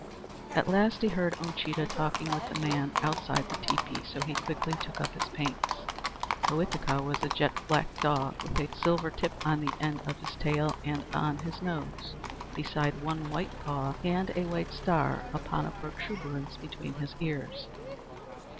At last he heard Uncheedah talking with a man outside the teepee, so he quickly took up his paints. Ohitika was a jet black dog, with a silver tip on the end of his tail and on his nose, beside one white paw and a white star upon a protuberance between his ears.